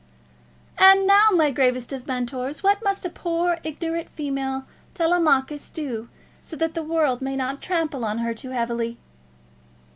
"And now, my gravest of Mentors, what must a poor ignorant female Telemachus do, so that the world may not trample on her too heavily?"